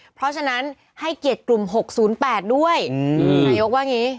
เพราะฉะนั้นให้เกียรติกลุ่ม๖๐๘ด้วยนายกว่าอย่างนี้